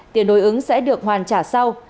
tiền đối ứng sẽ được hoàn trả sau